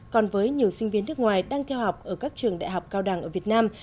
còn với nhiều sinh viên nước ngoài đang theo học ở các trường đại học cao đẳng ở việt nam